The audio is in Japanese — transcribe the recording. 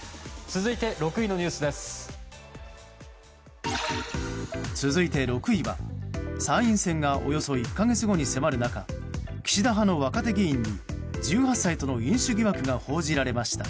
続いて６位は参院選がおよそ１か月後に迫る中岸田派の若手議員に、１８歳との飲酒疑惑が報じられました。